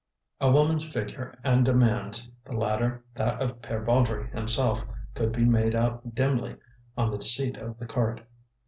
A woman's figure and a man's (the latter that of Pere Baudry himself) could be made out dimly on the seat of the cart.